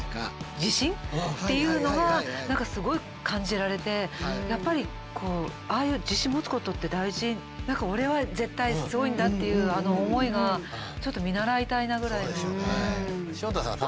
自信っていうのは何かすごい感じられてやっぱりああいう何か俺は絶対すごいんだっていう思いがちょっと見習いたいなぐらいの。